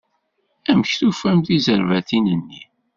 Amek tufam tizerbatin-nni?